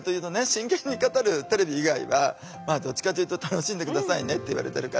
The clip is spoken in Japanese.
真剣に語るテレビ以外はどっちかというと「楽しんで下さいね」って言われてるから。